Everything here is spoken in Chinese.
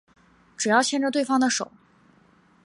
只要牵着对方的手